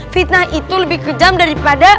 fitnah itu lebih kejam daripada